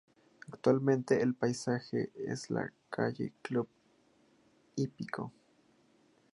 Actualmente el pasaje es la calle Club Hípico.